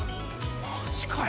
マジかよ。